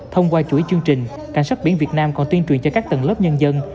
thông qua chuỗi chương trình cảnh sát biển việt nam còn tuyên truyền cho các tầng lớp nhân dân